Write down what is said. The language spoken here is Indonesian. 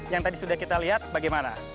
yang tadi sudah kita lihat bagaimana